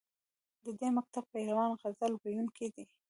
د دې مکتب پیروان غزل ویونکي دي